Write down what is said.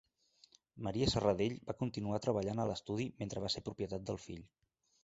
Maria Serradell va continuar treballant a l'estudi mentre va ser propietat del fill.